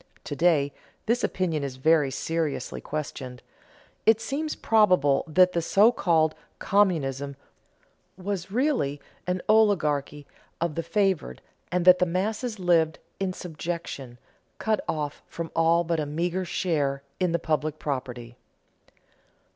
To day this opinion is very seriously questioned. It seems probable that the so called communism was really an oligarchy of the favored, and that the masses lived in subjection, cut off from all but a meager share in the public property.